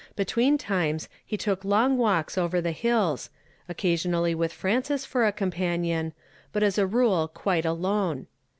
Between times he took long walks over the hills ; occasionally with Frances for a companion, but as a rule quite alone.